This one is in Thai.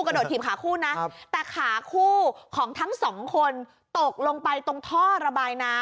กระโดดถีบขาคู่นะแต่ขาคู่ของทั้งสองคนตกลงไปตรงท่อระบายน้ำ